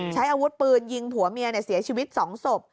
ใช้อาวุธปืนยิงผัวเมียเสียชีวิต๒ศพ